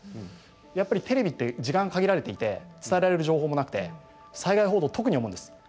やっぱりテレビって時間が限られていて伝えられる情報もなくて災害報道特に思うんです。